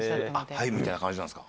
はい、みたいな感じなんですか？